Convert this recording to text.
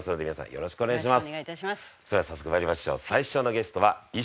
よろしくお願いします。